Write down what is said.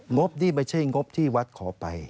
บนี่ไม่ใช่งบที่วัดขอไป